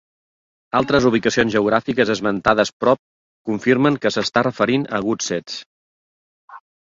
Altres ubicacions geogràfiques esmentades prop confirmen que s'està referint a Woodsetts.